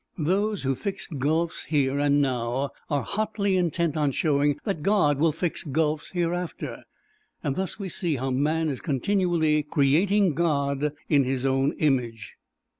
Those who fix gulfs here and now are hotly intent on showing that God will fix gulfs hereafter; thus we see how man is continually creating God in his own image.